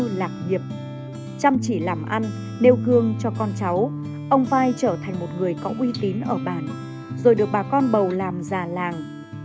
sư lạc nghiệp chăm chỉ làm ăn đeo gương cho con cháu ông vai trở thành một người có uy tín ở bản rồi được bà con bầu làm già làng